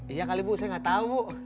iya kali bu saya nggak tahu bu